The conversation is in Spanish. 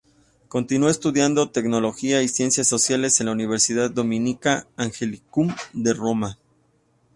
Continuó estudiando teología y ciencias sociales en la Universidad Dominica "Angelicum" de Roma.